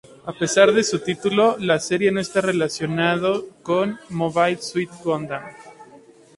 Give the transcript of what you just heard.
A pesar de su título, la serie no está relacionado con Mobile Suit Gundam.